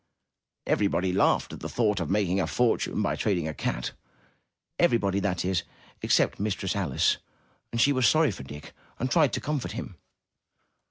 Everybody laughed at the thought of making a fortune by trading a cat — everybody, that is, except Mistress Alice, and she was sorry for Dick and tried to comfort him.